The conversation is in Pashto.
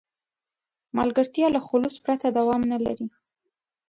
ملګرتیا له خلوص پرته دوام نه لري.